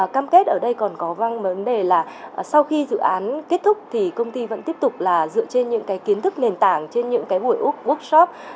cam kết ở đây còn có văng vấn đề là sau khi dự án kết thúc thì công ty vẫn tiếp tục là dựa trên những cái kiến thức nền tảng trên những cái buổi úc workshop